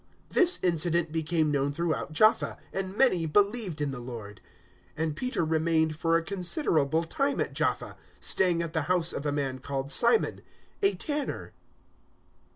009:042 This incident became known throughout Jaffa, and many believed in the Lord; 009:043 and Peter remained for a considerable time at Jaffa, staying at the house of a man called Simon, a tanner.